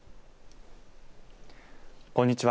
こんにちは。